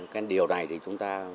cái điều này thì chúng ta